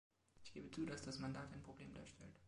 Ich gebe zu, dass das Mandat ein Problem darstellt.